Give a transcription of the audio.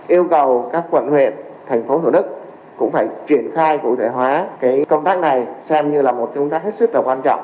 yêu cầu các quận huyện thành phố thủ đức cũng phải triển khai cụ thể hóa công tác này xem như là một công tác hết sức là quan trọng